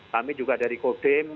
kami juga dari kodim